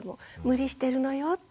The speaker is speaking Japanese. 無理してるのよって。